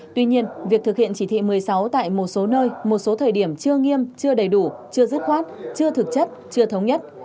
tuy nhiên việc thực hiện chỉ thị một mươi sáu tại một số nơi một số thời điểm chưa nghiêm chưa đầy đủ chưa dứt khoát chưa thực chất chưa thống nhất